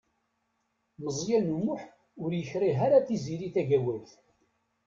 Meẓyan U Muḥ ur yekṛig ara Tiziri Tagawawt.